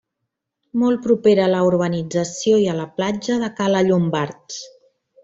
Molt propera a la urbanització i a la platja de Cala Llombards.